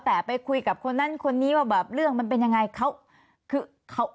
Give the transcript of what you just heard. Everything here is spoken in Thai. แต่ไปคุยกับคนนั้นคนนี้ว่าแบบเรื่องมันเป็นยังไง